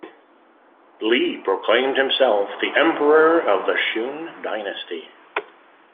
Li proclaimed himself the Emperor of the Shun dynasty.